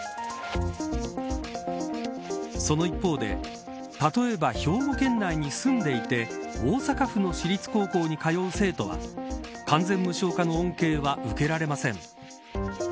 その一方で例えば、兵庫県内に住んでいて大阪府の私立高校に通う生徒は完全無償化の恩恵は受けられません。